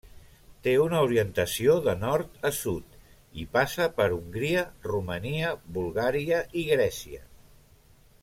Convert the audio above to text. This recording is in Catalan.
Té una orientació de nord a sud i passa per Hongria, Romania, Bulgària i Grècia.